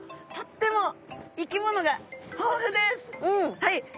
はい！